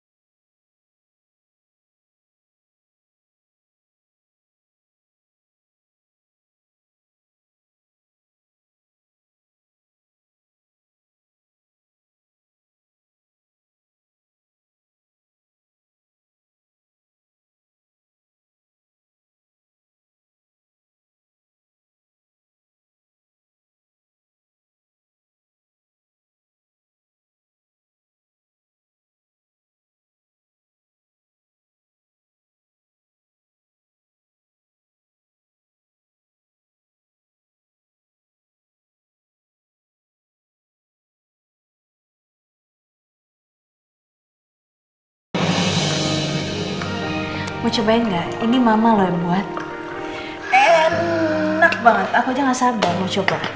hai mau cobain gak ini mama lo yang buat enak banget aku jangan sabar mau coba